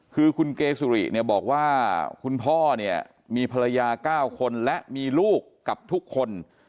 คือคุณเกสุริเนี่ยบอกว่าคุณพ่อเนี่ยมีภรรยา๙คนและมีลูกกับทุกคน